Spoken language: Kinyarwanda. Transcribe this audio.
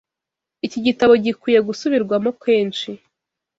Iki gitabo gikwiye gusubirwamo kenshi.